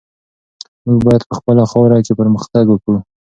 موږ باید په خپله خاوره کې پرمختګ وکړو.